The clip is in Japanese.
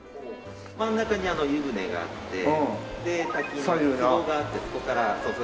真ん中に湯船があってで滝のつぼがあってそこから注ぎ込む。